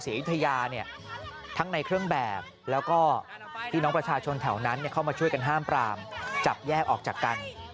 อยุธยาเนี่ยทั้งในเครื่องแบบแล้วก็พี่น้องประชาชนแถวนั้นเข้ามาช่วยกันห้ามปรามจับแยกออกจากกัน